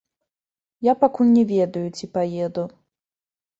Я пакуль не ведаю, ці паеду.